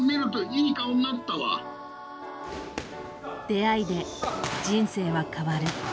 出会いで人生は変わる。